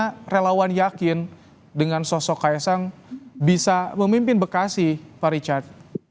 bagaimana relawan yakin dengan sosok kaisang bisa memimpin bekasi pak richard